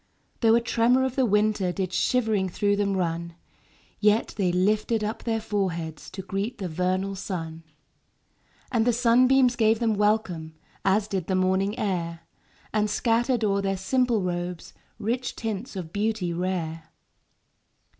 5 Though a tremor of the winter Did shivering through them run; Yet they lifted up their foreheads To greet the vernal sun. And the sunbeams gave them welcome. As did the morning air And scattered o'er their simple robes Rich tints of beauty rare.